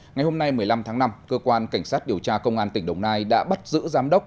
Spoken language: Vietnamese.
ngày hôm nay một mươi năm tháng năm cơ quan cảnh sát điều tra công an tỉnh đồng nai đã bắt giữ giám đốc